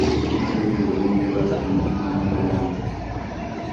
Una calle de Berlín lleva el nombre de ambos.